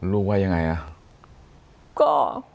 ลูกว่ายังไงนะ